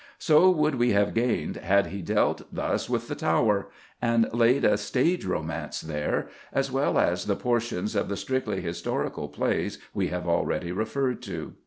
So would we have gained had he dealt thus with the Tower and laid a stage romance there, as well as the portions of the strictly historical plays we have already referred to.